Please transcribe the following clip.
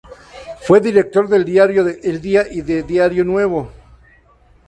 Fue director del diario El Día y de Diario Nuevo.